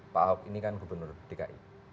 pak ahok ini kan gubernur dki